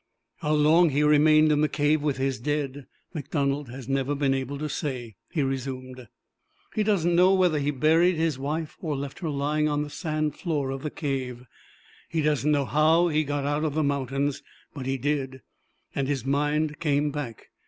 "How long he remained in the cave with his dead, MacDonald has never been able to say," he resumed. "He doesn't know whether he buried his wife or left her lying on the sand floor of the cave. He doesn't know how he got out of the mountains. But he did, and his mind came back.